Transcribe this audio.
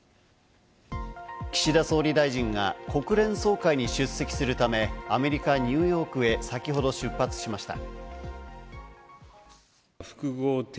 岸田総理大臣が国連総会に出席するため、アメリカ・ニューヨークへ先ほど出発しました。